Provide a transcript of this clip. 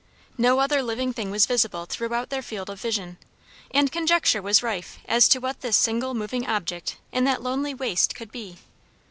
No other living thing was visible throughout their field of vision, and conjecture was rife as to what this single moving object in that lonely waste could be.